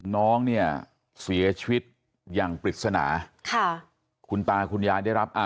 น้องเนี่ยเสียชีวิตอย่างปริศนาค่ะคุณตาคุณยายได้รับอ่า